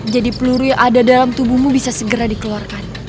jadi peluru yang ada dalam tubuhmu bisa segera dikeluarkan